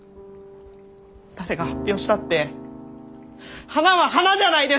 誰が発表したって花は花じゃないですか！